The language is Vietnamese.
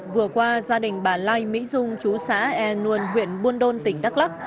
vừa qua gia đình bà lai mỹ dung chú xã e luôn huyện buôn đôn tỉnh đắk lắc